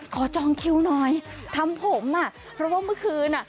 จองคิวหน่อยทำผมอ่ะเพราะว่าเมื่อคืนอ่ะ